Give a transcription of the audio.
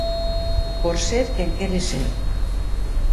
Por ser quen quere ser.